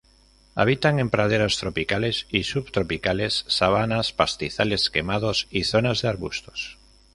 Habitan en praderas tropicales y subtropicales, sabanas, pastizales quemados y zonas de arbustos.